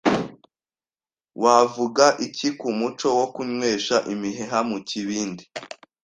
wavuga iki ku muco wo kunywesha imiheha mu kibindi